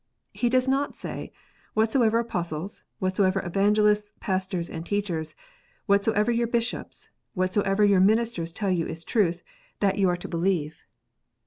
He does not say, " Whatsoever Apostles, whatsoever evangelists, pastors, and teachers, whatsoever your Bishops, whatsoever your ministers tell you is truth, that you are to 46 KNOTS UNTIED. believe."